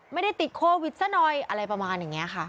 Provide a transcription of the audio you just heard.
ไม่ได้ติดโควิดซะหน่อยอะไรประมาณอย่างนี้ค่ะ